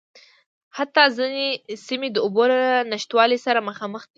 حتٰی ځينې سیمې د اوبو له نشتوالي سره مخامخ دي.